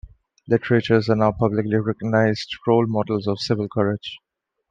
Laureates are now publicly recognized role models of civil courage.